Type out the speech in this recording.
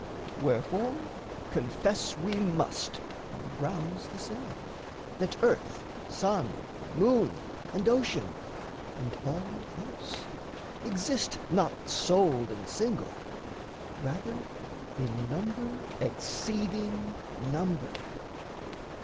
Wherefore confess we must on grounds the same That earth, sun, moon, and ocean, and all else, Exist not sole and single rather in number Exceeding number.